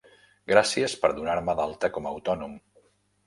Gràcies per donar-me d'alta com a autònom.